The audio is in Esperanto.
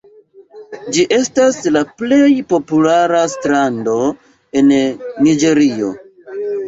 Ĝi estas la plej populara strando en Niĝerio.